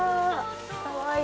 かわいい。